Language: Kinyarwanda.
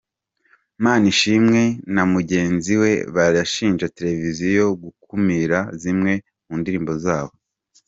Manishimwe na mujyenzi we barashinja televiziyo gukumira zimwe mu ndirimbo zabo